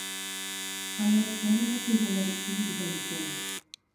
ھايات يەنىلا سۆيگەنلەر ئۈچۈن گۈزەل ئىكەن.